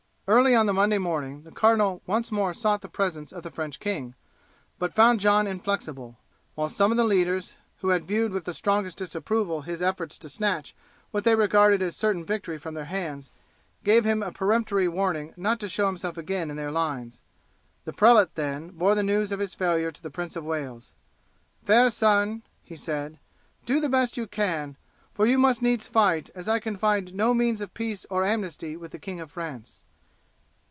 Early on the Monday morning the cardinal once more sought the presence of the French king, but found John inflexible; while some of the leaders who had viewed with the strongest disapproval his efforts to snatch what they regarded as certain victory from their hands, gave him a peremptory warning not to show himself again in their lines. The prelate then bore the news of his failure to the Prince of Wales. "Fair son," he said, "do the best you can, for you must needs fight, as I can find no means of peace or amnesty with the King of France."